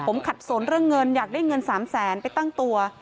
ผมขัดสนเรื่องเงินอยากได้เงิน๓แสนไปตั้งตัว